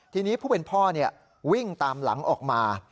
ทีนี้ผู้เป็นพ่อวิ่งตามหลังออกมา